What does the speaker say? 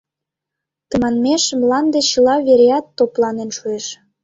Тыманмеш мланде чыла вереат топланен шуэш.